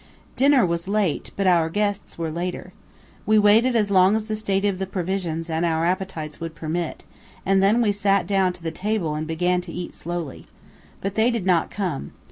Dinner was late; but our guests were later. We waited as long as the state of the provisions and our appetites would permit, and then we sat down to the table and began to eat slowly. But they did not come.